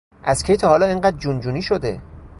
از کی تا حالا اینقدر جون جونی شده؟